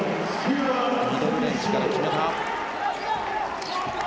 ミドルレンジから決めた。